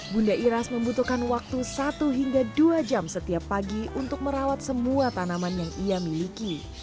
bunda iras membutuhkan waktu satu hingga dua jam setiap pagi untuk merawat semua tanaman yang ia miliki